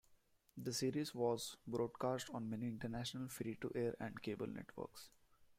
The series was broadcast on many international free-to-air and cable networks.